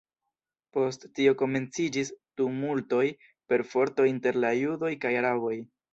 Post tio komenciĝis tumultoj, perforto inter la judoj kaj araboj.